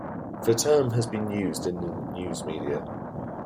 The term has been used in the newsmedia.